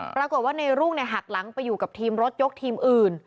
ปรากฏว่าในรุ่งหักหลังไปอยู่กับทีมรถยกทีมอื่น